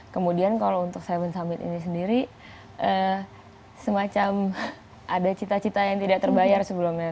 kemudian kalau untuk tujuh summit ini sendiri semacam ada cita cita yang tidak terbayar sebelumnya